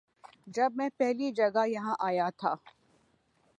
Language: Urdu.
جب میں پہلی جگہ یہاں آیا تھا